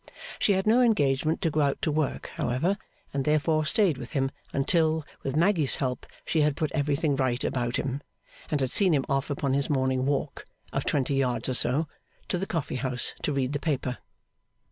She had no engagement to go out to work, however, and therefore stayed with him until, with Maggy's help, she had put everything right about him, and had seen him off upon his morning walk (of twenty yards or so) to the coffee house to read the paper.